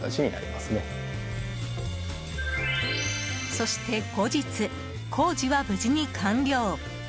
そして後日、工事は無事に完了。